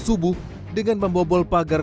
subuh dengan membobol pagar